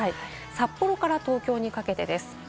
札幌から東京にかけてです。